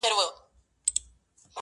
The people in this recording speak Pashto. o پښتنه ده آخير،